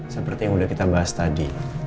seperti yang sudah kita bahas tadi